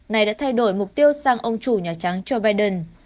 này đã thay đổi mục tiêu sang ông chủ nhà trắng joe biden